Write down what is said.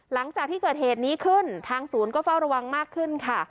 หลังจากที่เกิดเหตุนี้ขึ้นทางศูนย์ก็เฝ้าระวังมากขึ้นค่ะ